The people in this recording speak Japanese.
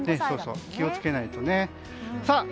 気を付けないとね。